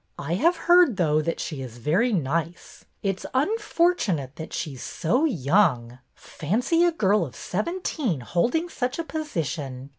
I have heard, though, that she is very nice. It 's unfortunate that she 's so young. Fancy a girl of seventeen holding such a position!